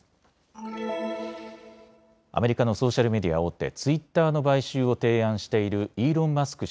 アメリカのソーシャルメディア大手、ツイッターの買収を提案しているイーロン・マスク